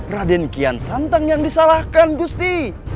raden kian santang yang disalahkan gusti